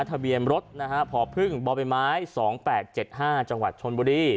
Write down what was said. ทะเบียนรถพพไม้๒๘๗๕จังหวัดชนบุรี